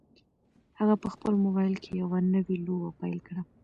هغه په خپل موبایل کې یوه نوې لوبه پیل کړه.